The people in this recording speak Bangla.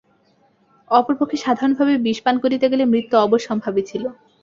অপর পক্ষে সাধারণভাবে বিষ পান করিতে গেলে মৃত্যু অবশ্যম্ভাবী ছিল।